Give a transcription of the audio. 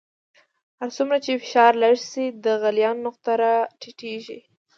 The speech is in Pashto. هر څومره چې فشار لږ شي د غلیان نقطه را ټیټیږي.